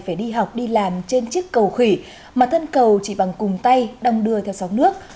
phải đi học đi làm trên chiếc cầu khỉ mà thân cầu chỉ bằng cùng tay đong đưa theo sóng nước